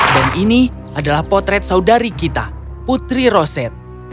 dan ini adalah potret saudari kita putri roset